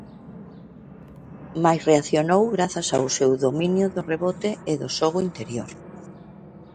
Mais reaccionou grazas ao seu dominio do rebote e do xogo interior.